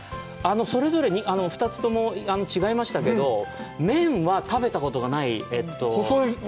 それぞれに２つとも違いましたけど、麺は食べたことがない細めの。